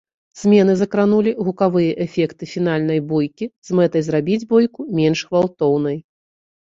Змены закранулі гукавыя эфекты фінальнай бойкі з мэтай зрабіць бойку менш гвалтоўнай.